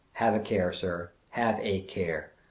Have a care, sir, have a care!